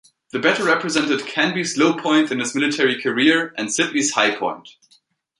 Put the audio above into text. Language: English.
The battle represented Canby's low point in his military career and Sibley's high point.